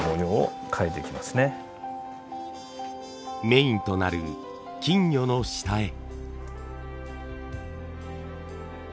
メインとなる金魚の下絵。